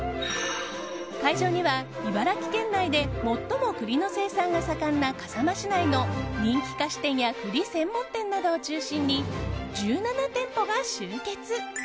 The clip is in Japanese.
会場には、茨城県内で最も栗の生産が盛んな笠間市内の人気菓子店や栗専門店などを中心に１７店舗が集結。